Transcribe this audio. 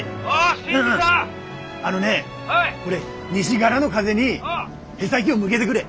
あのねこれ西がらの風に舳先を向けでくれ。